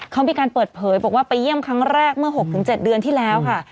เขามีการเปิดเผยบอกว่าไปเยี่ยมครั้งแรกเมื่อ๖๗เดือนที่แล้วค่ะ